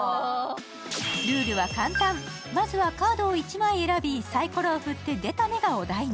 ルールは簡単、まずはカードを１枚選びサイコロを振って出た目がお題に。